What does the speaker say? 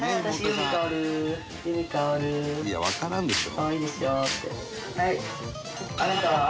「いやわからんでしょ」